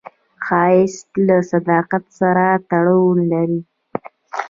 ښایست له صداقت سره تړاو لري